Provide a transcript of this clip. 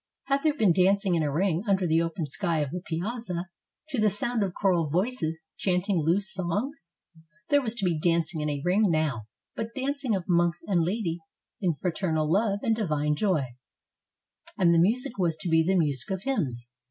Had there been dancing in a ring under the open sky of the piazza, to the sound of choral voices chanting loose songs? There was to be dancing in a ring now, but dancing of monks and laity in fraternal love and divine joy, and the music was to be the music of hymns.